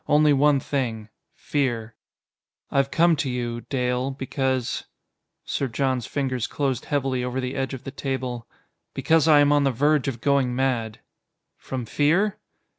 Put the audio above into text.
Only one thing fear. "I've come to you. Dale, because " Sir John's fingers closed heavily over the edge of the table "because I am on the verge of going mad." "From fear?"